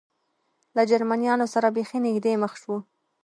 له جرمنیانو سره بېخي نږدې مخ شو.